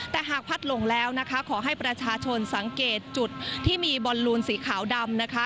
แต่หากพัดหลงแล้วนะคะขอให้ประชาชนสังเกตจุดที่มีบอลลูนสีขาวดำนะคะ